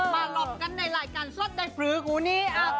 มารอบกันในรายการสัตว์ได้ฝืนฮุสที